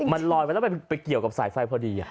มันลอยไปแล้วไปเกี่ยวกับสายไฟพอดี